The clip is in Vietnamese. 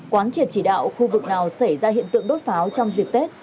quán triệt chỉ đạo khu vực nào xảy ra hiện tượng đốt pháo trong dịp tết